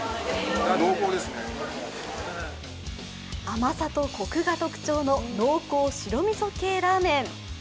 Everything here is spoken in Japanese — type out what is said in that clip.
甘さとコクが特徴の濃厚白みそ系ラーメン。